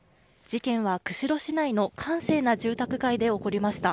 事件は釧路市内の閑静な住宅街で起こりました。